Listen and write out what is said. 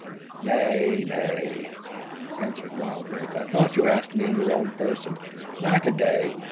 "Nay, nay," answered Wildrake, "I thought you asked me in your own person.—Lack a day!